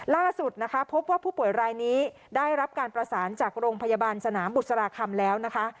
ล่าสุดนะคะพบว่าผู้ป่วยรายนี้ได้รับการประสานจากโรงพยาบาลสนามบุษราคำแล้วนะคะ